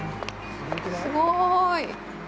すごい。